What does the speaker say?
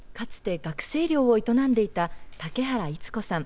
かつて学生寮を営んでいた竹原伊都子さん。